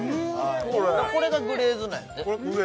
これがグレーズなんやってこれ上？